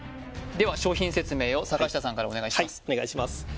では商品説明を坂下さんからお願いします